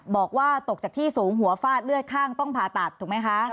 บอกว่าตกจากที่สูงหัวฟาดเลือดข้างต้องผ่าตัดถูกไหมคะ